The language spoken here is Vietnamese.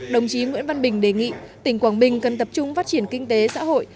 đồng chí nguyễn văn bình đề nghị tỉnh quảng bình cần tập trung phát triển kinh tế xã hội